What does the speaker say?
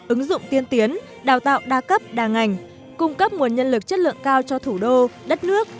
ứng dụng tiên tiến đào tạo đa cấp đa ngành cung cấp nguồn nhân lực chất lượng cao cho thủ đô đất nước